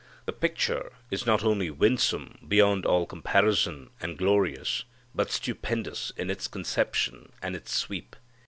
The picture is not only winsome beyond all comparison and glorious, but stupendous in its conception and its sweep.